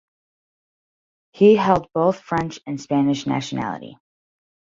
He held both French and Spanish nationality.